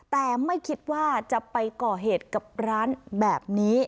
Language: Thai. แต่ไม่คิดว่าจะไปก่อเหตุกับร้านแบบนี้